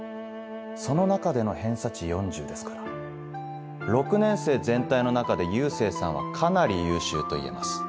その中での偏差値４０ですから６年生全体の中で佑星さんはかなり優秀と言えます。